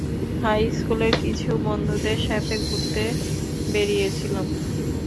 High স্কুলের কিছু বন্ধুদের সাথে ঘুরতে বেড়িয়েছিলাম।